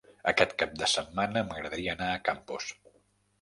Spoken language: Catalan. Aquest cap de setmana m'agradaria anar a Campos.